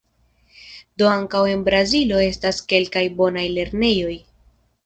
Do ankaŭ en Brazilo estas kelkaj bonaj lernejoj.